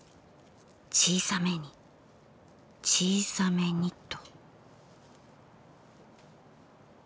小さめに小さめにと。